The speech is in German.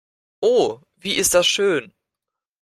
Oh, wie ist das schön!